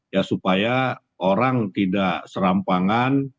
ya supaya orang tidak serampangan